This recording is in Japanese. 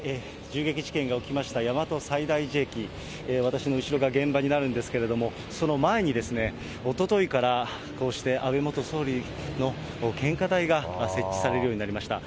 銃撃事件が起きました大和西大寺駅、私の後ろが現場になるんですけれども、その前にですね、おとといからこうして、安倍元総理の献花台が設置されるようになりました。